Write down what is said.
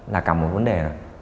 là cả một vấn đề